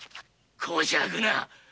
こしゃくな！